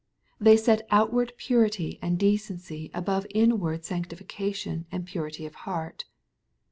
They set outward purity and de cenc y above in ward sanctification and purity of heart.